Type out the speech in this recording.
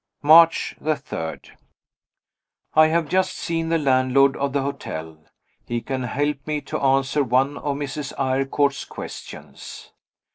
March 3. I have just seen the landlord of the hotel; he can help me to answer one of Mrs. Eyrecourt's questions.